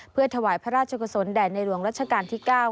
เพื่อถวายพระราชกุศลแด่ในหลวงรัชกาลที่๙